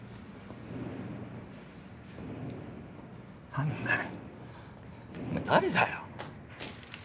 何だよおめぇ誰だよ？